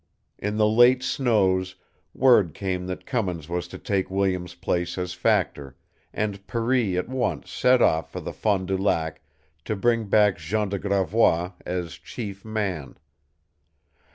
In the late snows, word came that Cummins was to take Williams' place as factor, and Per ee at once set off for the Fond du Lac to bring back Jean de Gravois as "chief man."